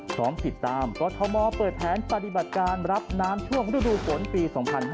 พร้อมติดตามกรทมเปิดแผนปฏิบัติการรับน้ำช่วงฤดูฝนปี๒๕๕๙